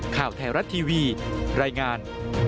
ข่าวไทยรัฐทีวีรายงาน